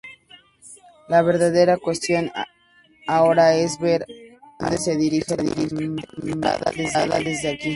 La verdadera cuestión ahora es ver hacia donde se dirige la temporada desde aquí.